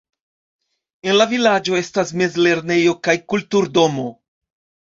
En la vilaĝo estas mezlernejo kaj kultur-domo.